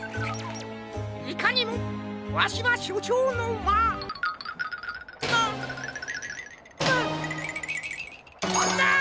いかにもわしはしょちょうのマままま！